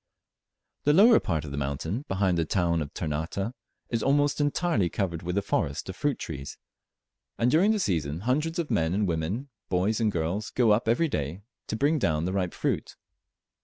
The lower part of the mountain, behind the town of Ternate, is almost entirely covered with a forest of fruit trees, and during the season hundreds of men and women, boys and girls, go up every day to bring down the ripe fruit.